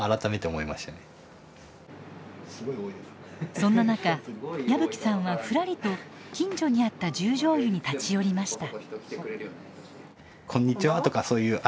そんな中矢吹さんはふらりと近所にあった十條湯に立ち寄りました。